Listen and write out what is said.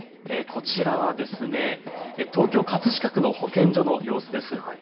こちらは、東京葛飾区の保健所の様子です。